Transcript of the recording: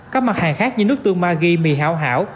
các mặt hàng khác như nước tương ma ghi mì hảo hảo